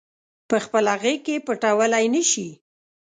پخپله غیږ کې پټولای نه شي